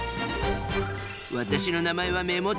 私の名前はメモ帳。